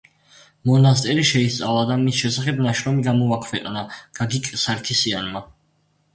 მონასტერი შეისწავლა და მის შესახებ ნაშრომი გამოაქვეყნა გაგიკ სარქისიანმა.